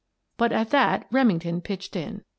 But at that Remington pitched in.